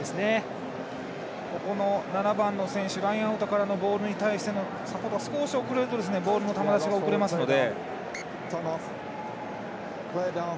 ここの７番の選手ラインアウトからのボールに対してのサポートが少し遅れるとボールの球出しが遅れますので。